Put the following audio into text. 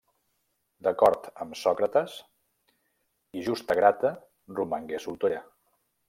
D'acord amb Sòcrates, i Justa Grata romangué soltera.